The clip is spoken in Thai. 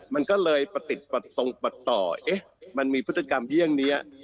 มันก็เลยประติดประต่อเอ๊ะมันมีพฤติกรรมเยี่ยงนี้